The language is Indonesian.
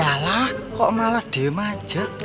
yalah kok malah dem aja